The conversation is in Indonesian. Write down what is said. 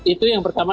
itu yang pertama